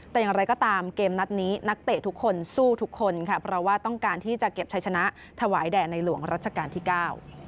แต่อย่างไรก็ตามเกมนัดนี้นักเตะทุกคนสู้ทุกคนค่ะเพราะว่าต้องการที่จะเก็บชัยชนะถวายแด่ในหลวงรัชกาลที่เก้า